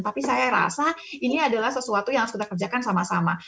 tapi saya rasa ini adalah sesuatu yang harus kita kerjakan sama sama